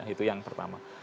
itu yang pertama